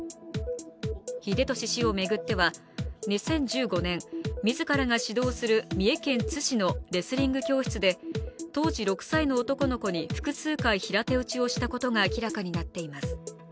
栄利氏を巡っては２０１５年、自ら指導する三重県津市のレスリング教室で当時６歳の男の子に複数回、平手打ちをしたことが明らかになっています。